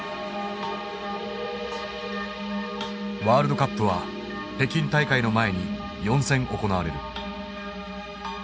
ワールドカップは北京大会の前に４戦行われる。